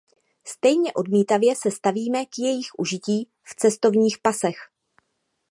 Stejně odmítavě se stavíme k jejich užití v cestovních pasech.